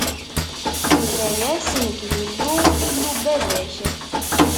Inna-yas: Nekk, d Illu, Illu n baba-k!